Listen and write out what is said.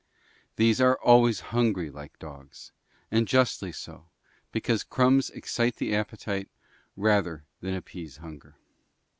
These are always hungry like dogs, and justly so, because crumbs excite the appetite rather than appease hunger.